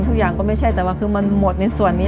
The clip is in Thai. ทุกอย่างก็ไม่ใช่แต่ว่าคือมันหมดในส่วนนี้